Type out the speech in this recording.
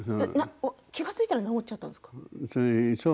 気が付いたら治っちゃったんですか。